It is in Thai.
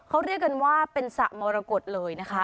เขาเรียกกันว่าเป็นสระมรกฏเลยนะคะ